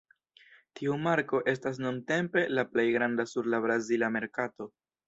Tiu marko estas nuntempe la plej granda sur la brazila merkato.